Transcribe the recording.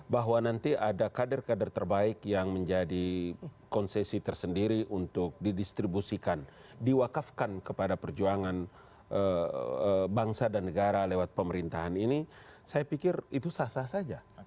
bahwa nanti ada kader kader terbaik yang menjadi konsesi tersendiri untuk didistribusikan diwakafkan kepada perjuangan bangsa dan negara lewat pemerintahan ini saya pikir itu sah sah saja